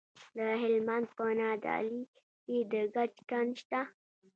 د هلمند په نادعلي کې د ګچ کان شته.